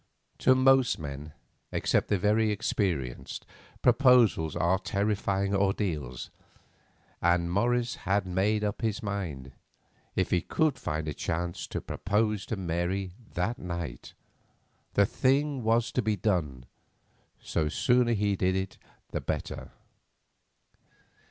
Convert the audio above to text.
To most men, except the very experienced, proposals are terrifying ordeals, and Morris had made up his mind, if he could find a chance, to propose to Mary that night. The thing was to be done, so the sooner he did it the better.